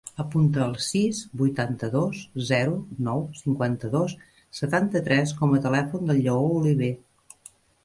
Apunta el sis, vuitanta-dos, zero, nou, cinquanta-dos, setanta-tres com a telèfon del Lleó Oliver.